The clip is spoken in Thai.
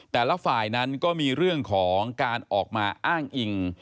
แต่ละฝ่ายนั้นก็มีเรื่องของการออกมาอ้างอิง